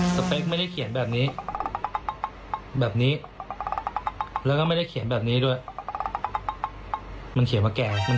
แต่สนใจคำว่าสเปคก่อน